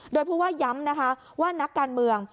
โดยผู้ว่าย้ำนะคะว่านักการเมือง